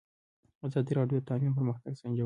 ازادي راډیو د تعلیم پرمختګ سنجولی.